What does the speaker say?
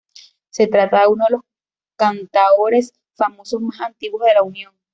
Se trata de uno de los cantaores famosos más antiguos de La Unión.